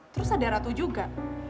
terus ada ratu juga